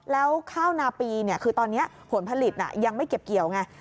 แล้วข้าวนาปีคือตอนนี้ผลผลิตยังไม่เก็บเกี่ยวไง